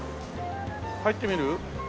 入ってみる？